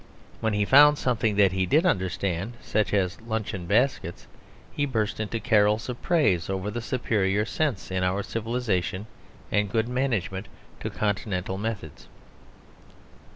When he found something that he did understand, such as luncheon baskets, he burst into carols of praise over the superior sense in our civilisation and good management to Continental methods.